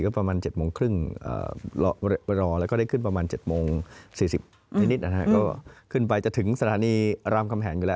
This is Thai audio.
ว่ามันนิ่งแล้วเราสงสัยจอดให้คันขบวรที่อยู่ออกมา